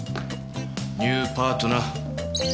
ニューパートナー。